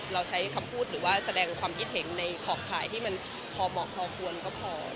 เราใช้คำพูดหรือว่าแสดงความคิดเห็นในขอบข่ายที่มันพอเหมาะพอควรก็พอ